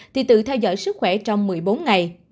thì tự theo dõi sức khỏe trong một mươi bốn ngày